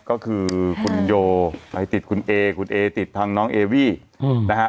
ก็คือคุณโยไปติดคุณเอคุณเอติดทางน้องเอวี่นะฮะ